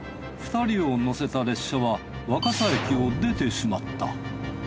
２人を乗せた列車は若桜駅を出てしまった。